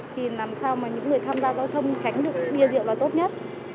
thì làm sao mà những người tham gia giao thông tránh được bia rượu là tốt nhất